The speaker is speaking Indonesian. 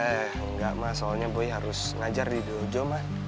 eh enggak ma soalnya boy harus ngajar di dojo ma